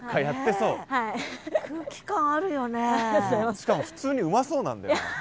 しかも普通にうまそうなんだよな。